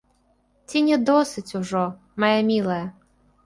Ці не досыць ужо, мая мілая?